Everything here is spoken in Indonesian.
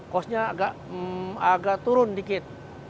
kosnya agak turun sedikit